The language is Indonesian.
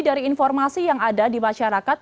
dari informasi yang ada di masyarakat